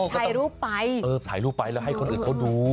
ถ่ายรูปไปเออถ่ายรูปไปแล้วให้คนอื่นเขาดู